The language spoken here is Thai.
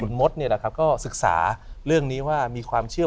คุณมดเนี่ยนะครับก็ศึกษาเรื่องนี้ว่ามีความเชื่อ